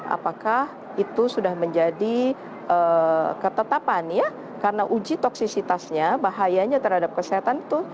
apakah itu sudah menjadi ketetapan ya karena uji toksisitasnya bahayanya terhadap kesehatan itu